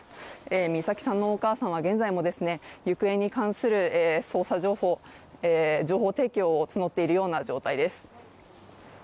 美咲さんのお母さんは現在も行方の情報、捜査情報を募っているような状態です。